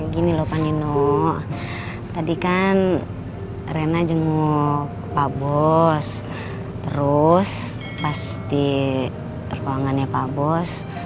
gini loh pak nino tadi kan rena jenguk pak bos terus pas di ruangannya pak bos